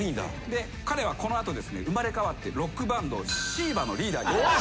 で彼はこの後生まれ変わってロックバンドＳＥＥＶＡのリーダーになります。